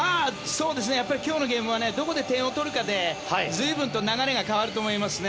今日のゲームはどこで点を取るかで随分と流れが変わると思います。